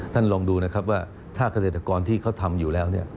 ลองดูนะครับว่าถ้าเกษตรกรที่เขาทำอยู่แล้ว